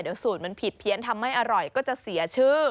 เดี๋ยวสูตรมันผิดเพี้ยนทำไม่อร่อยก็จะเสียชื่อ